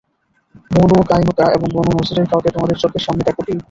বনু কায়নুকা এবং বনু নযীরের কাউকে তোমাদের চোখের সামনে দেখ কি?